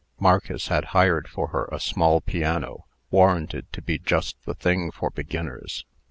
Marcus had hired for her a small piano, warranted to be just the thing for beginners.